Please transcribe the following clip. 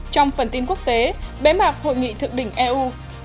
trong phần tin quốc tế bế mạc hội nghị thượng đỉnh eu